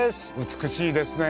美しいですね。